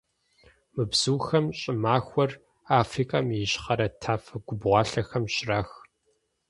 Мы бзухэм щӀымахуэр Африкэм и ищхъэрэ тафэ-губгъуалъэхэм щрах.